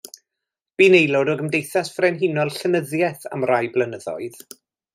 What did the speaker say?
Bu'n aelod o Gymdeithas Frenhinol Llenyddiaeth am rai blynyddoedd.